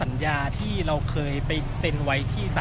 ไม่ใช่นี่คือบ้านของคนที่เคยดื่มอยู่หรือเปล่า